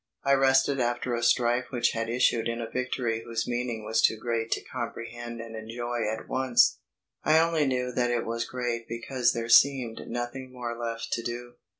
I rested after a strife which had issued in a victory whose meaning was too great to comprehend and enjoy at once. I only knew that it was great because there seemed nothing more left to do.